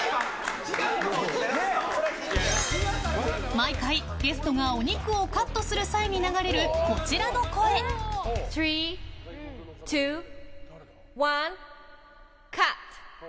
毎回ゲストがお肉をカットする際に流れる３、２、１カット。